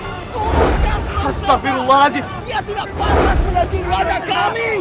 dia tidak patah menanti wadah kami